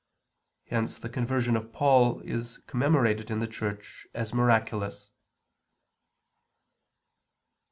Hence the conversion of Paul is commemorated in the Church as miraculous.